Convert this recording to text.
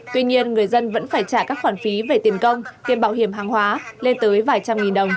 tuy nhiên người dân vẫn phải trả các khoản phí về tiền công tiền bảo hiểm hàng hóa lên tới vài trăm nghìn đồng